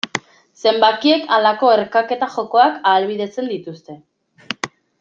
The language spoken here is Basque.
Zenbakiek halako erkaketa jokoak ahalbidetzen dituzte.